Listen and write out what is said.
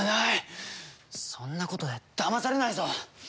そんなことでだまされないぞ！